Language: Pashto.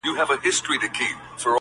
o و تیارو ته مي له لمره پیغام راوړ,